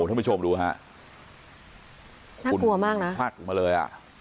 ทุกผู้ชมดูฮะน่ากลัวมากน่ะพัดออกมาเลยอ่ะครับทั้งช่วงสายของวันนี้